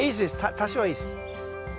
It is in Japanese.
多少はいいです。